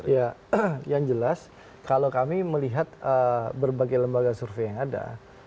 ya yang jelas kalau kami melihat berbagai lembaga survei yang ada